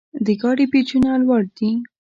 د ګاډي پېچونه لوړ دي.